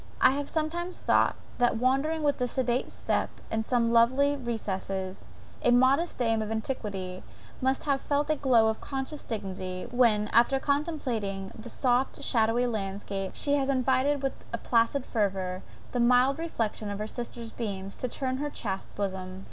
I have sometimes thought, that wandering with sedate step in some lonely recess, a modest dame of antiquity must have felt a glow of conscious dignity, when, after contemplating the soft shadowy landscape, she has invited with placid fervour the mild reflection of her sister's beams to turn to her chaste bosom.